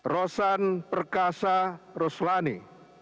rosan perkasa roslani